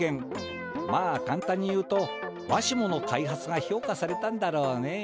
まあかんたんに言うとわしもの開発がひょうかされたんだろうねえ。